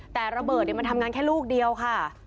แต่ระเบิดมันทำงานแค่ลูกเดียวค่ะ